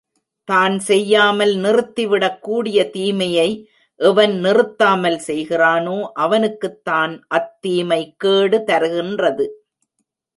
தான் செய்யாமல் நிறுத்திவிடக்கூடிய தீமையை எவன் நிறுத்தாமல் செய்கிறானோ அவனுக்குக்தான் அத்தீமை கேடு தருகின்றது.